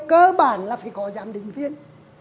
cơ bản là phải có giám định viên